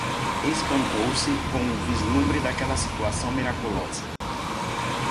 Espantou-se com o vislumbre daquela situação miraculosa